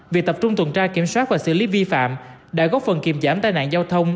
việc tập trung tuần tra kiểm soát và xử lý vi phạm đã góp phần kiềm giảm tai nạn giao thông